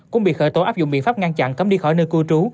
cũng bị khởi tố áp dụng biện pháp ngăn chặn cấm đi khỏi nơi cư trú